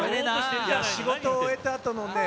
仕事終えたあとのね